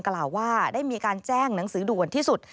กล่าวว่าได้มีการแจ้งหนังสือด่วนที่สุด